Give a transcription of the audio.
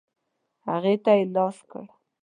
هغې ته یې لاس کړ.